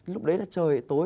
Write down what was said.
lúc đấy là trời tối